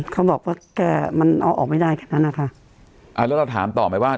เขาบอกว่าแกมันเอาออกไม่ได้แค่นั้นนะคะอ่าแล้วเราถามต่อไหมว่า